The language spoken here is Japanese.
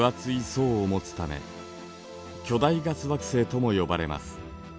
層を持つため巨大ガス惑星とも呼ばれます。